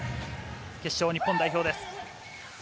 決勝、日本代表です。